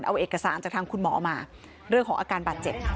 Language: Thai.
เอาเอกสารจากทางคุณหมอมาเรื่องของอาการบาดเจ็บ